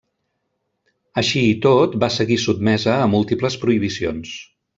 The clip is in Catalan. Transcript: Així i tot va seguir sotmesa a múltiples prohibicions.